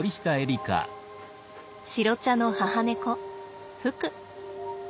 白茶の母猫ふく。